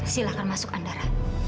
silahkan masuk andara